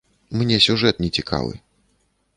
Мне сюжэт не цікавы.